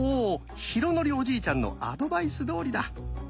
浩徳おじいちゃんのアドバイスどおりだ！